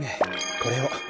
これを。